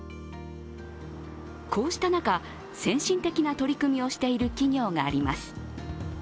こうした中、先進的な取り組みをしている企業があります。